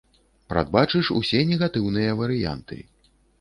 Прадбачыш усе негатыўныя варыянты.